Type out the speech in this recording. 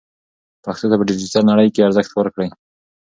پښتو ته په ډیجیټل نړۍ کې ارزښت ورکړئ.